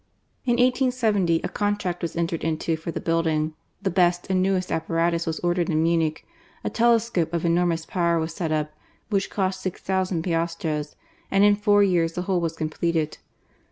In 1870, a contract was entered into for the building; the best and newest apparatus was ordered in Munich ; a telescope of enormous power was set up, which cost six thousand piastres, and in four years the whole was completed.